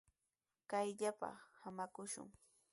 Kayllatraw samakushun.